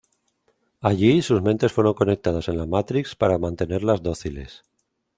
Allí sus mentes fueron conectadas en la Matrix para mantenerlas dóciles.